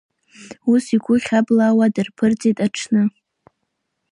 Ус игәы хьаблаауа дырԥырҵит аҽны.